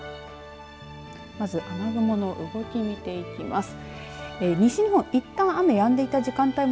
まず雨雲の動き見ていきます。